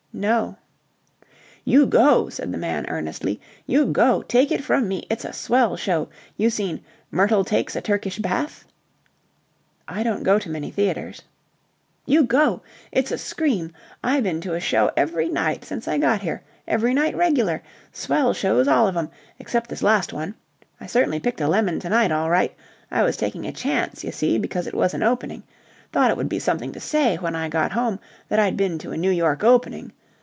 "No." "You go," said the man earnestly. "You go! Take it from me, it's a swell show. You seen 'Myrtle takes a Turkish Bath'?" "I don't go to many theatres." "You go! It's a scream. I been to a show every night since I got here. Every night regular. Swell shows all of 'em, except this last one. I cert'nly picked a lemon to night all right. I was taking a chance, y'see, because it was an opening. Thought it would be something to say, when I got home, that I'd been to a New York opening.